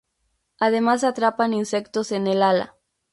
Además atrapan insectos en el ala.